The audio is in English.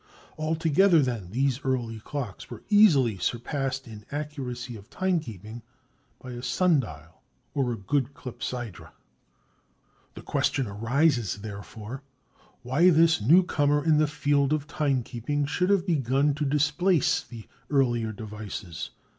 Altogether, then, these early clocks were easily surpassed in accuracy of timekeeping by a sun dial or a good clepsydra. The question arises, therefore, why this newcomer in the field of timekeeping, should have begun to displace the earlier devices.